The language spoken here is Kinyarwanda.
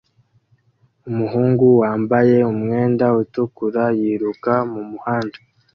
Umuhungu wambaye umwenda utukura yiruka mumuhanda